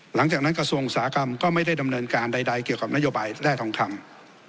หลังจากนั้นกระทรวงอุตสาหกรรมก็ไม่ได้ดำเนินการใดเกี่ยวกับนโยบายแร่ทองคำ